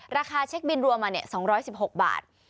ราคาเช็คบินรวมมา๒๑๖บาท